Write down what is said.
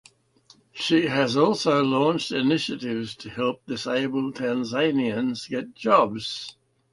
She has also launched initiatives to help disabled Tanzanians get jobs.